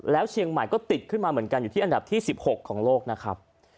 แล้วเชียงใหม่ก็ติดขึ้นมาเหมือนกันอยู่ที่อันดับที่๑๖ของโลกนะครับ